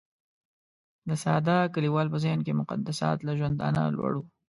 د ساده کليوال په ذهن کې مقدسات له ژوندانه لوړ وو.